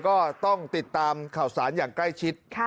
ก็ต้องติดตามข่าวสารอย่างใกล้ชิด